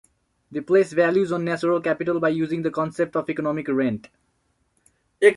They place values on natural capital by using the concept of economic rent.